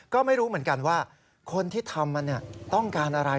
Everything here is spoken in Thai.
ก็ไม่รู้เหมือนกันว่าคนที่ทำมันต้องการอะไร